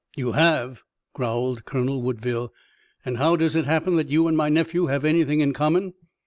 "You have?" growled Colonel Woodville, "and how does it happen that you and my nephew have anything in common?"